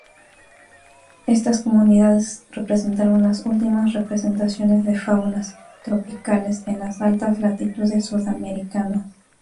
Estas comunidades representaron las últimas representaciones de faunas tropicales en altas latitudes sudamericanas.